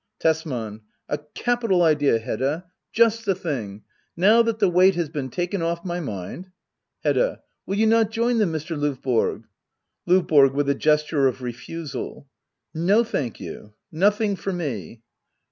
Tesman. A capital idea, Hedda ! Just the thing ! Now that the weight has been taken off my mind Hedda. Will you not join them, Mr. Lovborg ? L5VBORO. [Wiih a gesture of refusal,] No, thank you. Nothing for me.